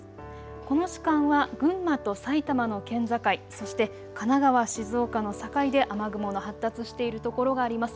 この時間は群馬と埼玉の県境、そして神奈川、静岡の境で雨雲の発達しているところがあります。